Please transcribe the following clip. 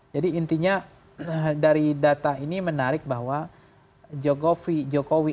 jadi intinya dari data ini menarik bahwa jokowi